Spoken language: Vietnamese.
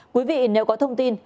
quý vị nếu có thông tin